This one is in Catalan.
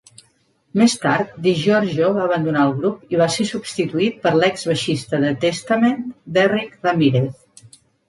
Més tard, DiGiorgio va abandonar el grup i va ser substituït per l'ex baixista de Testament, Derrick Ramirez.